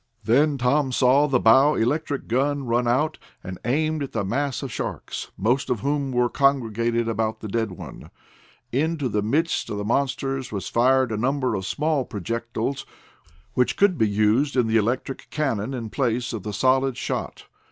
Then Tom saw the bow electric gun run out, and aimed at the mass of sharks, most of whom were congregated about the dead one. Into the midst of the monsters was fired a number of small projectiles, which could be used in the electric cannon in place of the solid shot.